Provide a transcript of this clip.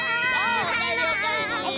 おかえりおかえり。